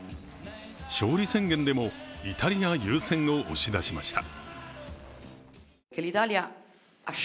勝利宣言でも、イタリア優先を押し出しました。